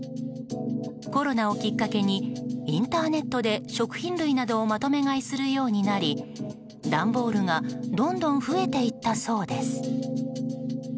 コロナをきっかけにインターネットで食品類などをまとめ買いするようになり段ボールがどんどん増えていったそうです。